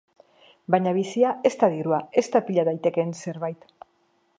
Baina bizia ez da dirua, ez da pila daitekeen zerbait.